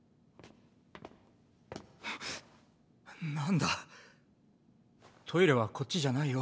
なんだトイレはこっちじゃないよ。